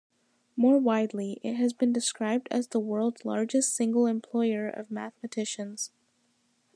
More widely, it has been described as the world's largest single employer of mathematicians.